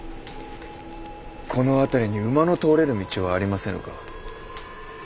この辺りに馬の通れる道はありませぬか。